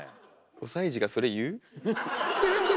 ５歳児がそれ言う？